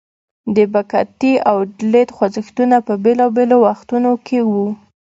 د بکهتي او دلیت خوځښتونه په بیلابیلو وختونو کې وو.